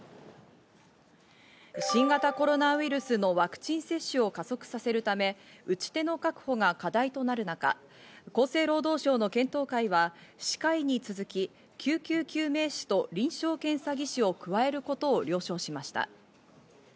新型コロナウイルスのワクチン接種を加速させるため、打ち手の確保が課題となる中、厚生労働省の検討会は歯科医に続き、救急救命士と臨床検査技師を加えることを了承しました。